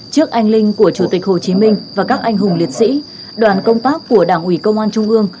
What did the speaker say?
trước anh linh của chủ tịch hồ chí minh và các anh hùng liệt sĩ đoàn công tác của đảng ủy công an trung ương